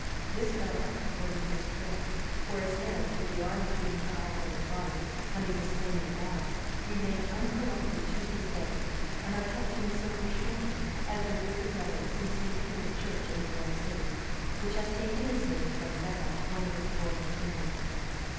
This fell out according to his prayer, for his hands with the arms being cut off from his body, when he was slain in battle, remain uncorrupted to this day, and are kept in a silver shrine, as revered relics, in St. Peter's church in the royal city,(314) which has taken its name from Bebba, one of its former queens.